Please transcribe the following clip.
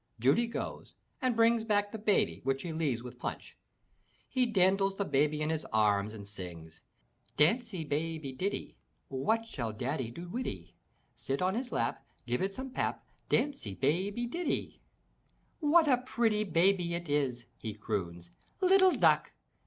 Judy goes and brings back the baby which she leaves with Punch. He dandles the child in his arms and sings: *'Dancy baby diddy; What shall daddy do widdy? Sit on his lap, Give it some pap; Dancy, baby, diddy'' "What a pretty baby it is," he croons, "little duck!